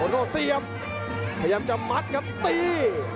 โอราโนเสียบพยายามจะมัดกับตี